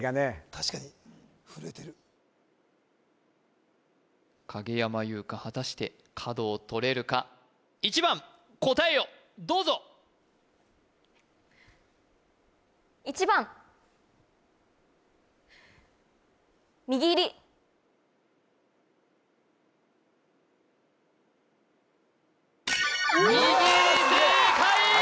確かに震えてる影山優佳果たして角をとれるか１番答えをどうぞみぎり正解！